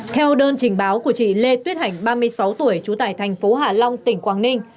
theo đơn trình báo của chị lê tuyết hành ba mươi sáu tuổi trú tại thành phố hạ long tỉnh quảng ninh